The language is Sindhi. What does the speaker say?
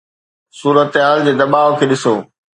صورتحال جي دٻاء کي ڏسو.